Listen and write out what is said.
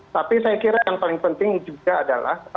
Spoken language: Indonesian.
tapi saya kira yang paling penting juga adalah